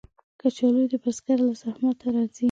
کچالو د بزګر له زحمته راځي